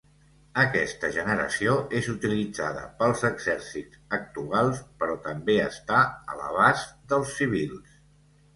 Aquesta generació és utilitzada pels exèrcits actuals, però també està a l'abast dels civils.